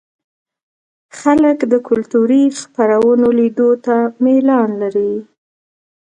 خلک د کلتوري خپرونو لیدو ته میلان لري.